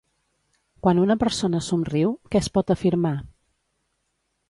Quan una persona somriu, què es pot afirmar?